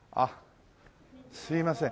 すいません。